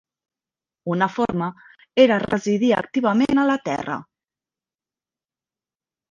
Una forma era residir activament a la terra.